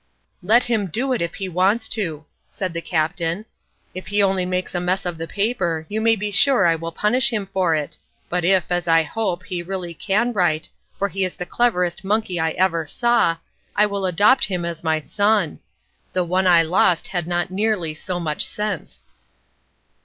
"Let him do it if he wants to," said the captain. "If he only makes a mess of the paper, you may be sure I will punish him for it. But if, as I hope, he really can write, for he is the cleverest monkey I ever saw, I will adopt him as my son. The one I lost had not nearly so much sense!"